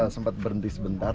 sempat berhenti sebentar